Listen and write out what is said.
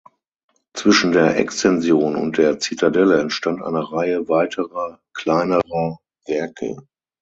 Zwischen der Extension und der Zitadelle entstand eine Reihe weiterer kleinerer Werke.